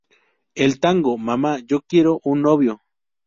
El tango "Mama...¡Yo quiero un novio!